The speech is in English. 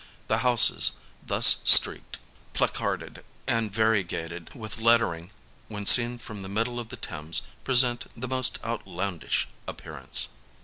The houses, thus streaked, placarded, and variegated with lettering, when seen from the middle of the Thames, present the most outlandish ap pearance.